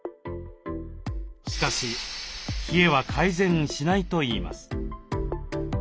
しかし冷えは改善しないといいます。